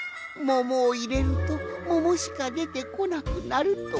ももをいれるとももしかでてこなくなるとは。